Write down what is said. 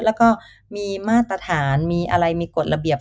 แล้วก็มีมาตรฐานมีอะไรมีกฎระเบียบ